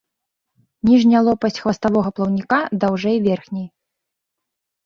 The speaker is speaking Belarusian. Ніжняя лопасць хваставога плаўніка даўжэй верхняй.